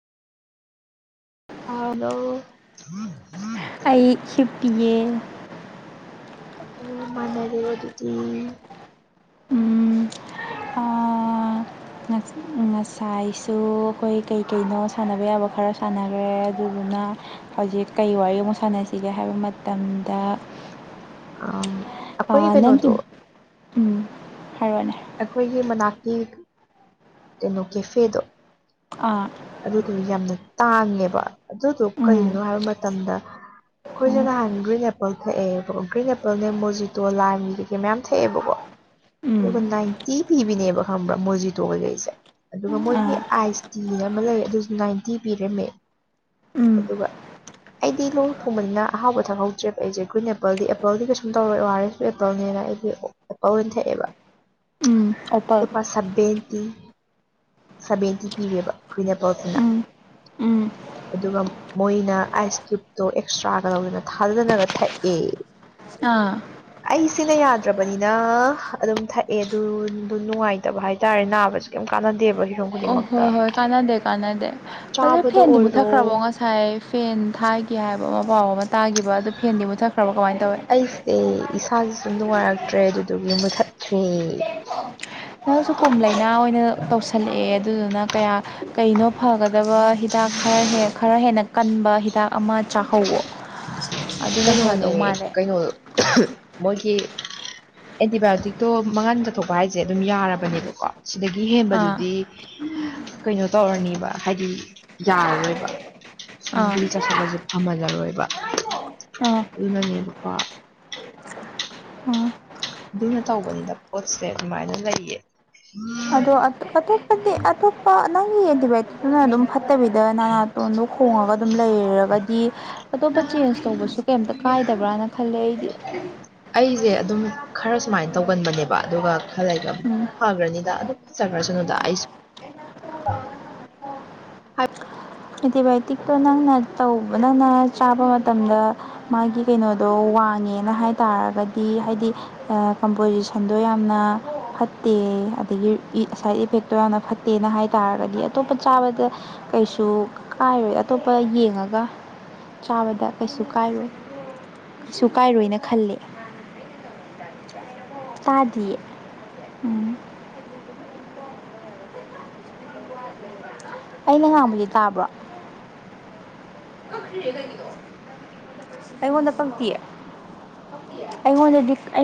ꯍꯜꯂꫭ ꯑꯩ ꯍꯤꯞꯄꯤꯌꯦ ꯑꯣ ꯃꯥꯟꯅꯔꯦ ꯑꯗꯨꯗꯤ ꯎꯝ ꯑꯥ ꯉꯁꯥꯏꯁꯨ ꯑꯩꯈꯣꯏ ꯀꯩꯀꯩꯅꯣ ꯁꯥꯟꯅꯕ ꯌꯥꯕ ꯈꯔ ꯁꯥꯟꯅꯈ꯭ꯔꯦ ꯑꯗꯨꯗꯨꯅ ꯍꯧꯖꯤꯛ ꯀꯩ ꯋꯥꯔꯤ ꯑꯃꯨꯛ ꯁꯥꯟꯅꯁꯤꯒꯦ ꯍꯥꯏꯕ ꯃꯇꯝꯗ ꯑꯥꯝ ꯑꯥ ꯅꯪꯒꯤ ꯎꯝ ꯍꯥꯏꯔꯛꯑꯣꯅꯦ꯫ ꯑꯩꯈꯣꯏꯒꯤ ꯃꯅꯥꯛꯀꯤ ꯀꯩꯅꯣ ꯀꯦꯐꯦꯗꯣ ꯑꯥ ꯑꯗꯨꯗꯨ ꯌꯥꯝꯅ ꯇꯥꯡꯉꯦꯕ ꯑꯗꯨꯗꯣ ꯎꯝ ꯀꯩꯅꯣ ꯍꯥꯏꯕ ꯃꯇꯝꯗ ꯑꯩꯈꯣꯏꯁꯦ ꯎꯝ ꯅꯍꯥꯟ ꯒ꯭ꯔꯤꯟ ꯑꯦꯄꯜ ꯊꯛꯑꯦꯕꯀꫭ ꯒ꯭ꯔꯤꯟ ꯑꯦꯄꯜꯅꯦ ꯃꯣꯖꯤꯇꯣ ꯂꯥꯏꯝꯒꯤ ꯀꯩꯀꯩ ꯃꯌꯥꯝ ꯊꯛꯑꯦꯕꯀꯣ ꯎꯝ ꯑꯗꯨꯒ ꯅꯥꯏꯟꯇꯤ ꯄꯤꯕꯤꯅꯦꯕ ꯈꯪꯕ꯭ꯔꯥ ꯃꯣꯖꯤꯇꯣ ꯀꯩꯀꯩ ꯁꯦ ꯑꯗꯨꯒ ꯃꯣꯏꯒꯤ ꯑꯥ ꯑꯥꯏꯁ ꯇꯤ ꯑꯃ ꯂꯩ ꯑꯗꯨꯁꯨ ꯅꯥꯏꯟꯇꯤ ꯄꯤꯔꯝꯃꯦ ꯎꯝ ꯑꯗꯨꯒ ꯑꯩꯗꯤ ꯂꯣꯡ ꯊꯣꯡꯕꯅꯤꯅ ꯑꯍꯥꯎꯕ ꯊꯛꯍꯧꯗ꯭ꯔꯦꯕ ꯑꯩꯁꯦ ꯑꯩꯈꯣꯏ ꯅꯦꯄꯜꯗꯤ ꯑꯦꯄꯜꯗꯤ ꯀꯩꯁꯨꯝ ꯇꯧꯔꯣꯏ ꯑ‌ꯣ ꯑꯔ ꯑ‌ꯦꯁ ꯄꯥꯔꯛꯇꯧꯅꯤꯅ ꯑꯩꯗꯤ ꯑ‌ꯦꯄꯜ ꯑꯣꯏꯅ ꯊꯛꯑꯦꯕ ꯎꯝ ꯑꯣꯄꯜ ꯂꯨꯄꯥ ꯁ‌ꯦꯚ‌ꯦꯟꯇꯤ ꯁꯕꯦꯟꯇꯤ ꯄꯤꯔꯦꯕ ꯒ꯭ꯔꯤꯟ ꯑ‌ꯦꯄꯜꯗꯨꯅ ꯎꯝ ꯎꯝ ꯑꯗꯨꯒ ꯃꯣꯏꯅ ꯑꯥꯏꯁ ꯀ꯭ꯌꯨꯕꯇꯣ ꯑꯦꯛꯁꯇ꯭ꯔꯥꯒ ꯂꯧꯧꯗꯅ ꯊꯥꯗꯅꯒ ꯊꯛꯑꯦ ꯑꯥ ꯑꯩꯁꯤꯅ ꯌꯥꯗ꯭ꯔꯕꯅꯤꯅ ꯑꯗꯨꯝ ꯊꯛ ꯑꯦ ꯑꯗꯨꯗꯨ ꯅꯨꯡꯉꯥꯏꯇꯕ ꯍꯥꯏꯇꯥꯔꯦ ꯅꯥꯕꯁ ꯀꯩꯝ ꯀꯥꯟꯅꯗꯦꯕ ꯍꯤꯔꯝ ꯑꯣ ꯈꯨꯗꯤꯡꯃꯛꯇ ꯍꯣꯏ ꯍꯣꯏ ꯀꯥꯟꯅꯗꯦ ꯀꯥꯟꯅꯗꯦ ꯑꯗꯨꯣ ꯆꯥꯕꯗ ꯐꯦꯟꯗꯤ ꯑꯣꯏꯔꯣ ꯃꯨꯠꯊꯈ꯭ꯔꯕꯣ ꯉꯁꯥꯏ ꯉꯁꯥꯏ ꯐꯦꯟ ꯊꯥꯒꯦ ꯍꯥꯏꯕ ꯑꯃ ꯄꯥꯎ ꯑꯃ ꯇꯥꯈꯤꯕ ꯑꯗꯨ ꯐꯦꯟꯗꯤ ꯃꯨꯠꯊꯠꯈ꯭ꯔꯕ ꯀꯃꯥꯏꯅ ꯇꯧꯏ ꯑꯦ ꯏꯁꯥꯥꯁ‌ꯦ ꯁꯨꯝ ꯅꯨꯡꯉꯥꯏꯔꯛꯇ꯭ꯔꯦ ꯑꯗꯨꯗꯨꯒꯤ ꯃꯨꯊꯠꯈ꯭ꯔ‌ꯦ ꯅꯪꯁꯨ ꯀꯣꯝ ꯂꯥꯏꯅꯥ ꯑꯣꯏꯅ ꯇꯧꯁꯜꯂꯛꯑꯦ ꯑꯗꯨꯗꯨꯅ ꯀꯌꯥ ꯀꯩꯅꯣ ꯐꯒꯗꯕ ꯍꯤꯗꯥꯛ ꯈꯔ ꯈꯔ ꯍꯦꯟꯅ ꯀꯟꯕ ꯍꯤꯗꯥꯛ ꯑꯃ ꯆꯥꯍꯧꯋ‌ꯣ ꯑꯗꯨꯅ ꯀꯩꯅꯣꯅꯦ ꯐꯗꯧ ꯃꯥꯜꯂꯦ ꯀꯩꯅꯣ ꯃꯣꯏꯒꯤ ꯑꯦꯟꯇꯤꯕꯥꯌꯣꯇꯤꯛꯇꯣ ꯃꯍꯟ ꯆꯠꯊꯣꯛꯄ ꯍꯥꯏꯁꯦ ꯑꯗꯨꯝ ꯌꯥꯔꯕꯅꯦꯕꯀꯣ ꯁꯤꯗꯒꯤ ꯑꯥ ꯍꯦꯟꯕꯗꯨꯗꯤ ꯀꯩꯅꯣ ꯇꯧꯔꯅꯦꯕ ꯍꯥꯏꯗꯤ ꯌꯥꯔꯔꯣꯏꯕ ꯁꯨꯝ ꯑꯥ ꯆꯁꯥꯜꯂꯁꯨ ꯐꯃꯜꯂꯔꯣꯏꯕ ꯑꯥ ꯑꯗꯨꯅꯅꯦꯕꯀ‌ꯣ ꯑꯥ ꯑꯗꯨꯅ ꯇꯧꯕꯅꯤꯅ ꯄꯣꯠꯁꯦ ꯑꯗꯨꯃꯥꯏꯅ ꯂꯩꯌꯦ ꯑꯗꯣ ꯑꯇꯣꯞꯄꯗꯤ ꯑꯇꯣꯞꯄ ꯅꯪꯒꯤ ꯑ‌ꯦꯟꯇꯤ ꯕꯥꯏꯌ‌ꯣꯇꯤꯕ ꯑꯗꯨꯅ ꯑꯗꯨꯝ ꯐꯠꯇꯕꯤꯗ ꯅꯅꯥꯇꯣꯟꯗꯣ ꯈꯣꯡꯉꯒ ꯑꯗꯨꯝ ꯂꯩꯔꯒꯗꯤ ꯑꯇꯣꯞꯄ ꯆꯦꯟꯖ ꯇꯧꯕꯁꯨ ꯀꯩꯝꯇ ꯀꯥꯏꯗꯕ꯭ꯔꯅ ꯈꯜꯂꯦ ꯑꯩꯗꯤ ꯑꯩꯁꯦ ꯑꯗꯨꯝ ꯈꯔ ꯁꯨꯃꯥꯏꯅ ꯇꯧꯒꯟꯕꯅꯦꯕ ꯑꯗꯨꯒ ꯈꯜꯂꯒ ꯎꯝ ꯐꯈ꯭ꯔꯅꯤꯗ ꯑꯗꯨꯝ ꯐꯠꯖꯈ꯭ꯔꯁꯅꯨꯗ ꯑꯩꯁꯨ ꯑꯦꯟꯇꯤꯕꯥꯏꯌꯣꯇꯤꯛꯇꯣ ꯅꯪꯅ ꯇꯧꯕ ꯅꯪꯅ ꯆꯥꯕ ꯃꯇꯝꯗ ꯃꯥꯒꯤ ꯀꯩꯅꯣꯗꯣ ꯋꯥꯡꯉꯦꯅ ꯍꯥꯏ ꯇꯥꯔꯒꯗꯤ ꯍꯥꯏꯗꯤ ꯀꯝꯄꯣꯖꯤꯁꯟꯗꯣ ꯌꯥꯝꯅ ꯐꯠꯇꯦ ꯑꯗꯒꯤ ꯁꯥꯏꯠ ꯏꯐꯦꯛ ꯑꯗꯨꯣ ꯌꯥꯝꯅ ꯐꯠꯇꯦꯅ ꯍꯥꯏꯇꯥꯥꯔꯒꯗꯤ ꯑꯇꯣꯞꯄ ꯆꯥꯕꯗ ꯀꯩꯁꯨ ꯀꯥꯏꯔꯣꯏ ꯑꯇꯣꯞꯄ ꯌꯦꯡꯉꯒ ꯆꯥꯕꯗ ꯀꯩꯁꯨ ꯀꯥꯏꯔꯣꯏ ꯀꯩꯁꯨ ꯀꯥꯏꯔꯣꯏꯅ ꯈꯜꯂꯤ ꯇꯥꯗꯤꯌ‌ꯦ ꯎꯝ [unintelligible] ꯑꯩꯅ ꯉꯥꯡꯕꯗꯤ ꯇꯥꯕ꯭ꯔꯣ ꯑꯩꯉꯣꯟꯗ ꯄꯛꯇꯤꯌ‌ꯦ ꯑꯩꯉꯣꯟꯗꯗꯤ